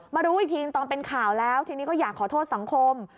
รู้อีกทีตอนเป็นข่าวแล้วทีนี้ก็อยากขอโทษสังคม